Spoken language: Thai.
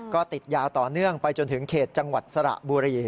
ก็ติดยาวต่อเนื่องไปจนถึงเขตจังหวัดสระบุรี